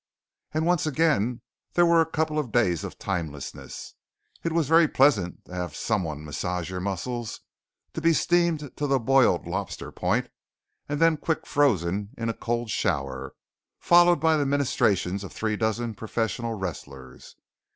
And once again there were a couple of days of timelessness. It was very pleasant to have someone massage your muscles, to be steamed to the boiled lobster point and then quick frozen in a cold shower, followed by the ministrations of three dozen professional wrestlers.